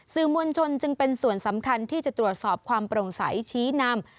สื่อมวลชนจึงเป็นส่วนสำคัญที่จะตรวจสอบความโปร่งใสชี้นำ